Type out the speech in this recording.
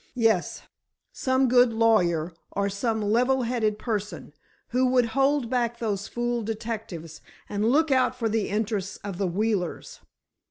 "Yes, some good lawyer, or some level headed person who would hold back those fool detectives, and look out for the interests of the Wheelers."